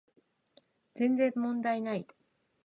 全然問題ない